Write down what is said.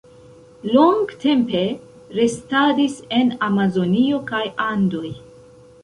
Longtempe restadis en Amazonio kaj Andoj.